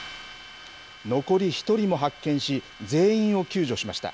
残り１人も発見し、全員を救助しました。